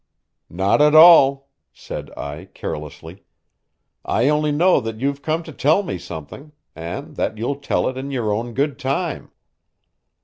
"Not at all," said I carelessly. "I only know that you've come to tell me something, and that you'll tell it in your own good time."